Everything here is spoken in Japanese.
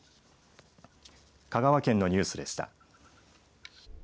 香川県のニュースでした。